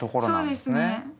そうですね。